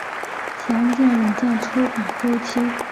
详见软件出版周期。